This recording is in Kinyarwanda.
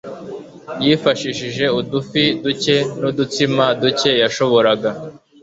yifashishije udufi duke n'udutsima duke yashoboraga